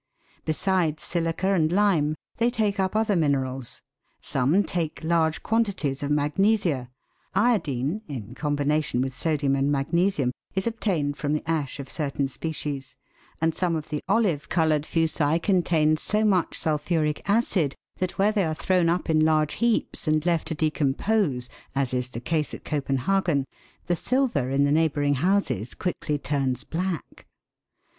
Besides silica and lime, they take up other minerals. Some take large quantities of magnesia ; iodine, in combination with sodium and magnesium, is obtained from the ash of certain species, and some of the olive coloured fuci contain so much sulphuric acid that where they are thrown up in large heaps and left to decompose, as is the case at Copenhagen, the silver in the neighbouring houses quickly turns black.